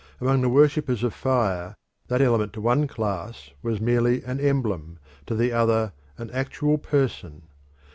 Among the worshippers of fire that element to one class was merely an emblem, to the other an actual person.